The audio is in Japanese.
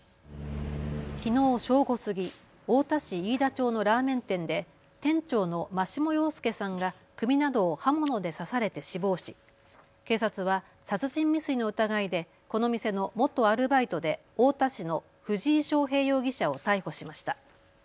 きのう正午過ぎ、太田市飯田町のラーメン店で店長の眞下陽介さんが首などを刃物で刺されて死亡し警察は殺人未遂の疑いでこの店の元アルバイトで太田市の藤井翔平容疑者を逮捕しました。